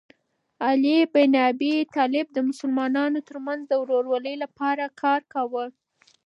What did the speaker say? علي بن ابي طالب د مسلمانانو ترمنځ د ورورولۍ لپاره کار کاوه.